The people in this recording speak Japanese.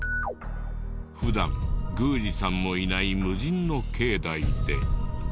普段宮司さんもいない無人の境内で。